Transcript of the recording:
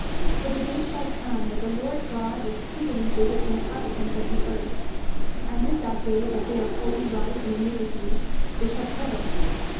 For the day shall come that the Lord God will speedily visit the inhabitants of the earth; and in that day that they are fully ripe in iniquity they shall perish.